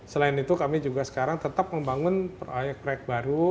selain itu kami juga sekarang tetap membangun proyek proyek baru